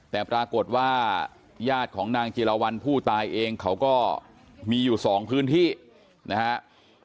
แต่ปรากฏว่าญาติของนางจิรวรรณผู้ตายเองเขาก็มีอยู่๒พื้นที่นะครับ